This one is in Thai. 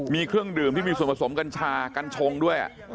มีเครื่องดื่มที่มีส่วนผสมกัญชากัญชงด้วย